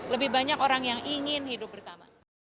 lebih banyak orang yang ingin hidup bersama